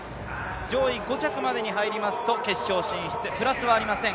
上位５着までに入りますと決勝進出プラスはありません。